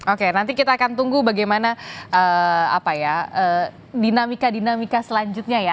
oke nanti kita akan tunggu bagaimana dinamika dinamika selanjutnya ya